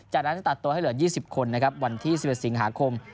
จากนั้นจะตัดตัวให้เหลือ๒๐คนนะครับวันที่๑๑สิงหาคม